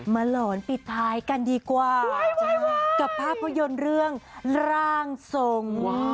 หลอนปิดท้ายกันดีกว่ากับภาพยนตร์เรื่องร่างทรง